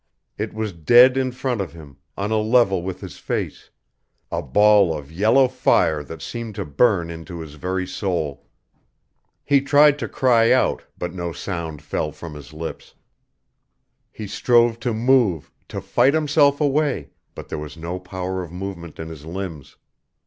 It was dead in front of him, on a level with his face a ball of yellow fire that seemed to burn into his very soul. He tried to cry out, but no sound fell from his lips; he strove to move, to fight himself away, but there was no power of movement in his limbs.